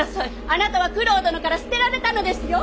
あなたは九郎殿から捨てられたのですよ。